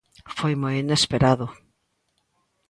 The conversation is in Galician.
Foi moi inesperado.